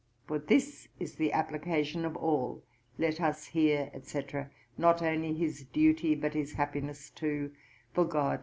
For this is the application of all; Let us hear, &c. xii. 13. Not only his duty, but his happiness too; For GOD, &c.